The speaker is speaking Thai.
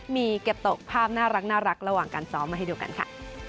มีเก็บตกภาพน่ารักระหว่างการซ้อมมาให้ดูกันค่ะ